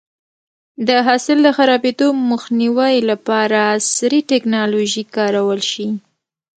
د حاصل د خرابېدو مخنیوی لپاره عصري ټکنالوژي کارول شي.